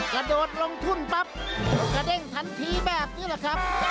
กระโดดลงทุ่นปั๊บกระเด้งทันทีแบบนี้แหละครับ